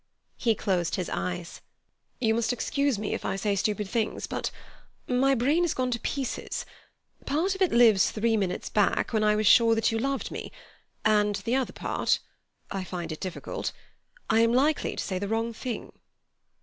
He closed his eyes. "You must excuse me if I say stupid things, but my brain has gone to pieces. Part of it lives three minutes back, when I was sure that you loved me, and the other part—I find it difficult—I am likely to say the wrong thing."